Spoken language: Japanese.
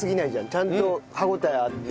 ちゃんと歯応えあって。